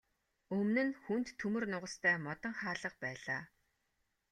Өмнө нь хүнд төмөр нугастай модон хаалга байлаа.